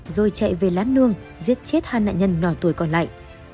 rồi chạy về lá nương giết chết hai nạn nhân nhỏ tuổi còn lại